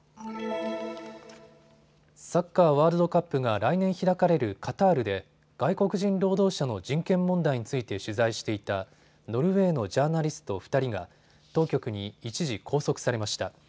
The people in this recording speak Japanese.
サッカーワールドカップが来年開かれるカタールで外国人労働者の人権問題について取材していたノルウェーのジャーナリスト２人が当局に一時拘束されました。